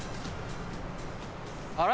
あれ？